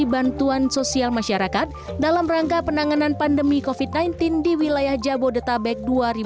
bantuan sosial masyarakat dalam rangka penanganan pandemi covid sembilan belas di wilayah jabodetabek dua ribu dua puluh